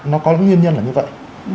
và có lẽ nhiên nhân là như vậy